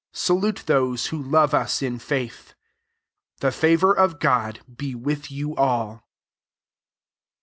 Salute those who love us in faith. The favour of God be with you all.